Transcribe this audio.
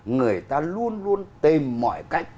người ta luôn luôn tìm mọi cách